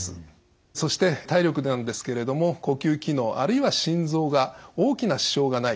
そして体力なんですけれども呼吸機能あるいは心臓が大きな支障がない。